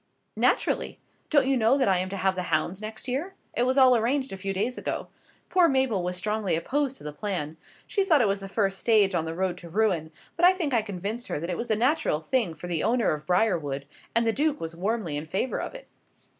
"Naturally; don't you know that I am to have the hounds next year? It was all arranged a few days ago. Poor Mabel was strongly opposed to the plan. She thought it was the first stage on the road to ruin; but I think I convinced her that it was the natural thing for the owner of Briarwood; and the Duke was warmly in favour of it."